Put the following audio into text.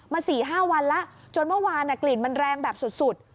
๔๕วันแล้วจนเมื่อวานกลิ่นมันแรงแบบสุด